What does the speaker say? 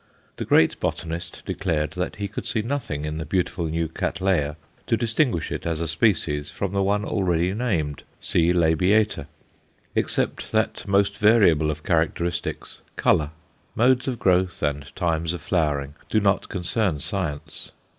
The great botanist declared that he could see nothing in the beautiful new Cattleya to distinguish it as a species from the one already named, C. labiata, except that most variable of characteristics, colour. Modes of growth and times of flowering do not concern science.